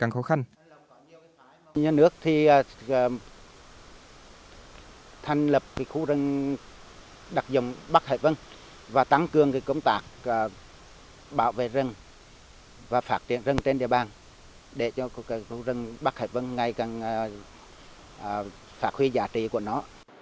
nhân nước thì thành lập khu rừng đặc dụng bắc hải vân và tăng cường công tác bảo vệ rừng và phát triển rừng trên địa bàn để cho khu rừng bắc hải vân ngày càng phát huy giá trị của nó